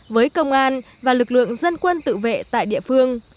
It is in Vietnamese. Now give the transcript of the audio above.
với công an và lực lượng dân quân tự vệ tại địa phương